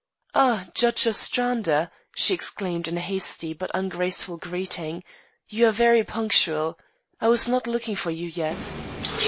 "Ah, Judge Ostrander," she exclaimed in a hasty but not ungraceful greeting, "you are very punctual. I was not looking for you yet."